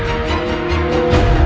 aku mau pergi